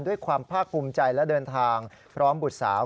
ด้วยความภาคภูมิใจและเดินทางพร้อมบุตรสาว